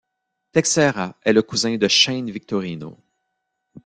Texeira est le cousin de Shane Victorino.